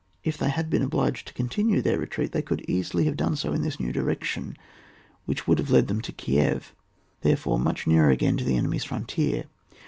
If they had been obliged to continue their retreat the^ could easily have done 0o in this new direction which would have led them to Eliew, therefore much nearer again to the enemy's frontier.